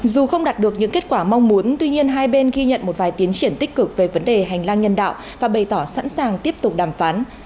dù không đạt được những kết quả mong muốn tuy nhiên hai bên ghi nhận một vài tiến triển tích cực về vấn đề hành lang nhân đạo và bày tỏ sẵn sàng tiếp tục đàm phán